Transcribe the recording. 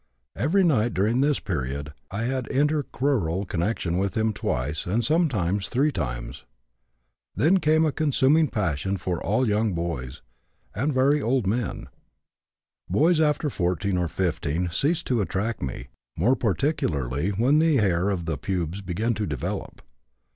Every night during this period, I had intercrural connection with him twice and sometimes three times. Then came a consuming passion for all young boys and very old men. Boys after 14 or 15 ceased to attract me, more particularly when the hair of the pubes began to develop.